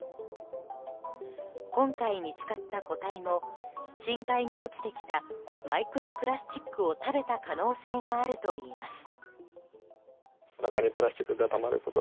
今回、見つかった個体も深海に落ちてきたマイクロプラスチックを食べた可能性があるといいます。